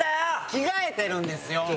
着替えてるんですよ。